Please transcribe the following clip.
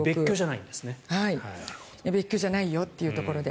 はい、別居じゃないよというところで。